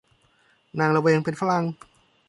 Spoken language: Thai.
นางละเวงเป็นฝรั่ง